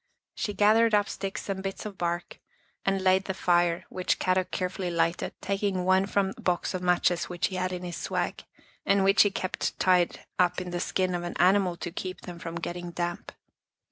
She gathered up sticks and bits of bark and 104 Our Little Australian Cousin laid the fire, which Kadok carefully lighted, taking one from a box of matches which he had in his swag, and which he kept tied up in the skin of an animal to keep them from getting damp.